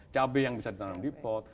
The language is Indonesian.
cabai yang bisa ditanam di pot